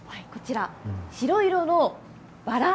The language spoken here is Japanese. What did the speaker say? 白色のバラ。